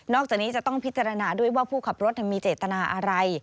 จากนี้จะต้องพิจารณาด้วยว่าผู้ขับรถมีเจตนาอะไร